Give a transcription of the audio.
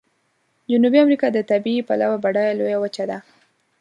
جنوبي امریکا د طبیعي پلوه بډایه لویه وچه ده.